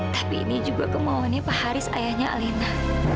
tapi ini juga kemauannya pak haris ayahnya alina